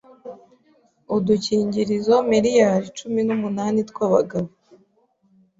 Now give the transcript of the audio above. udukingirizo miliyari cumi numunani tw’abagabo.